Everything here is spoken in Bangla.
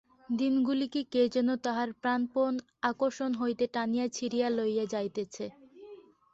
দিনগুলিকে কে যেন তাহার প্রাণপণ আকর্ষণ হইতে টানিয়া ছিঁড়িয়া লইয়া যাইতেছে।